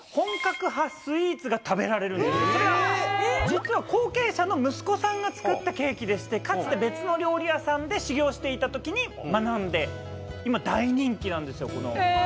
実は後継者の息子さんが作ったケーキでしてかつて別の料理屋さんで修業していたときに学んで今大人気なんですよこの。